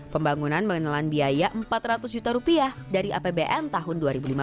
pembangunan mengenalan biaya empat ratus juta rupiah dari apbn tahun dua ribu lima belas